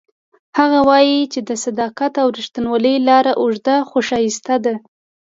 هغه وایي چې د صداقت او ریښتینولۍ لاره اوږده خو ښایسته ده